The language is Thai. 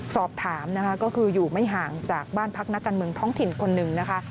สอบถามนะคะก็คืออยู่ไม่ห่างจากบ้านพักนักการเมืองท้องถิ่นคนหนึ่งนะคะ